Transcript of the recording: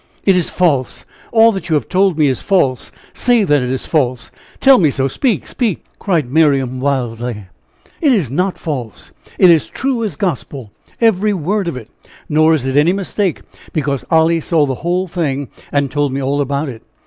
"It is false! all that you have told me is false! say that It is false! tell me so! speak! speak!" cried Miriam, wildly. "It is not false it is true as Gospel, every word of it nor is it any mistake. Because Olly saw the whole thing, and told me all about it.